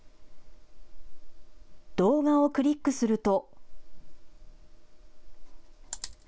動画をクリックすると。